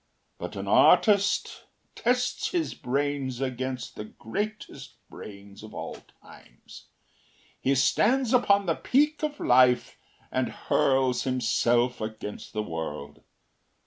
But an artist tests his brains against the greatest brains of all times; he stands upon the peak of life and hurls himself against the world.